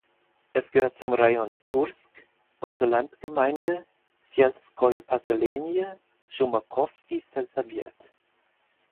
Es gehört zum Rajon Kursk und zur Landgemeinde "(selskoje posselenije) Schumakowski selsowjet".